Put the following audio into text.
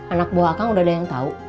anak buah kang udah ada yang tau